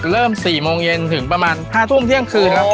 เริ่ม๔โมงเย็นถึงประมาณ๕ทุ่มเที่ยงคืนครับ